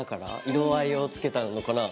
色合いをつけたのかな？